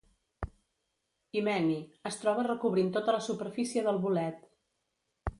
Himeni: es troba recobrint tota la superfície del bolet.